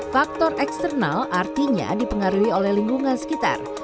faktor eksternal artinya dipengaruhi oleh lingkungan sekitar